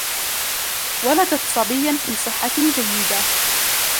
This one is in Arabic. ولدَت صبيا في صحة جيدة.